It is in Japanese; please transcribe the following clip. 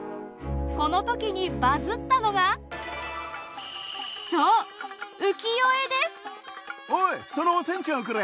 この時にバズったのがおいそのお仙ちゃんをくれ！